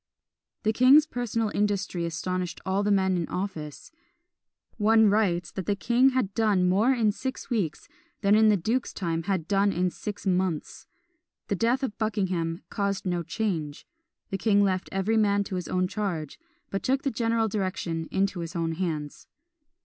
The king's personal industry astonished all the men in office. One writes that the king had done more in six weeks than in the duke's time had been done in six months. The death of Buckingham caused no change; the king left every man to his own charge, but took the general direction into his own hands.